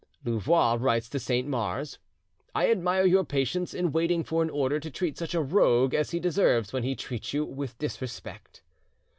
Louvois writes to Saint Mars: "I admire your patience in waiting for an order to treat such a rogue as he deserves, when he treats you with disrespect."